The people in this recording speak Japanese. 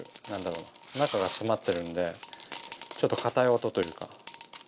中が詰まってるんでちょっと固い音というか。